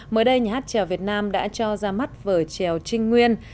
mới đây nhà hát trèo việt nam đã cho ra mắt vở trèo trinh nguyên